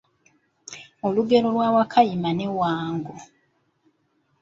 Olugero lwa Wakayima ne Wango.